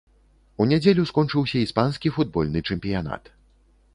У нядзелю скончыўся іспанскі футбольны чэмпіянат.